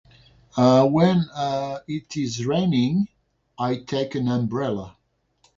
When it is raining I take an umbrella.